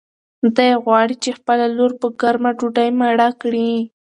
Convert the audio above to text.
دی غواړي چې خپله لور په ګرمه ډوډۍ مړه کړي.